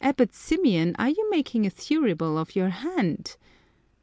Abbot Symeon, are you making a thurible of your hand?"